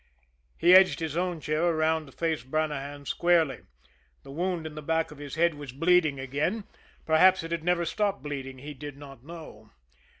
He edged his own chair around to face Brannahan squarely the wound in the back of his head was bleeding again; perhaps it had never stopped bleeding, he did not know.